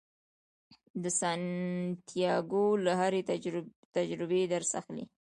سانتیاګو له هرې تجربې درس اخلي.